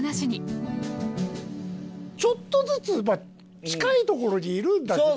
ちょっとずつ近いところにいるんだけど。